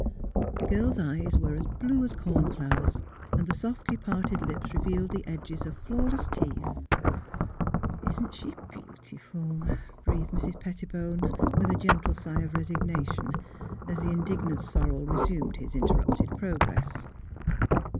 The girl's eyes were as blue as corn flowers, and the softly parted lips revealed the edges of flaw less teeth. '^ Isn't she — beautiful? " breathed Mrs. Petti bone, with a gentle sigh of resignation, as the in dignant sorrel resumed his interrupted progress.